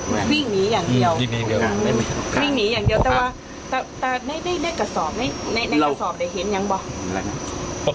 ไม่มองเขาเล่นแต่ว่าไม่ได้กระสอบได้หินยังบอก